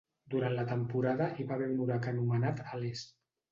Durant la temporada hi va haver un huracà anomenat Alice.